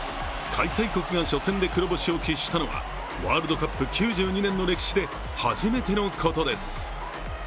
開催国が初戦で黒星を喫したのはワールドカップ９２年の歴史で初めてのことです。